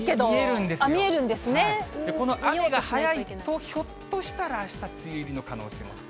この雨が早いとひょっとしたらあした梅雨入りの可能性がある。